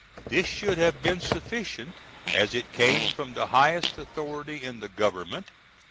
This should have been sufficient, as it came from the highest authority in the Gov^t.